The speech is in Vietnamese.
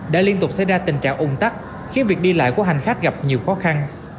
đã liên tục xảy ra tình trạng ủng tắc khiến việc đi lại của hành khách gặp nhiều khó khăn